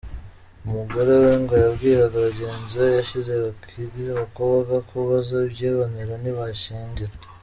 Umugore we ngo yabwiraga bagenzi be yasize bakiri abakobwa ko bazabyibonera nibashyingirwa.